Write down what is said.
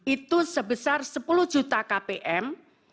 itu sebesar sepuluh juta kpm